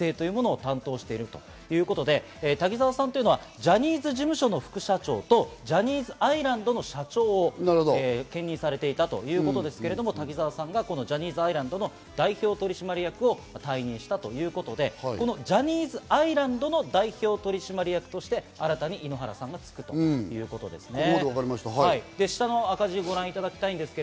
ジャニーズ事務所のグループ会社でジャニーズ事務所のジュニアの育成、プロデュースなどを担当しているということで、滝沢さんというのはジャニーズ事務所の社長と、ジャニーズアイランドの社長を兼任されていたということですけれども、滝沢さんがこのジャニーズアイランドの代表取締役を退任したということで、このジャニーズアイランドの代表取締役として新たに井ノ原さんがつくということですね。